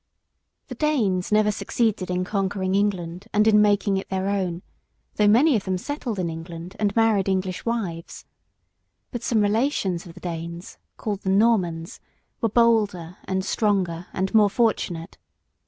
] THE Danes never succeeded in conquering England and in making it their own, though many of them settled in England and married English wives. But some relations of the Danes, called the Normans, were bolder and stronger and more fortunate.